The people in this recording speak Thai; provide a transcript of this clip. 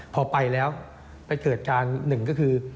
พอไปแล้วไปเกิดการหนึ่งก็คือ